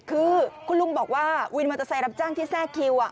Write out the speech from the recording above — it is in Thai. คือคุณลุงบอกว่าวินมันจะใส่รับจ้างที่แทรกคิวอ่ะ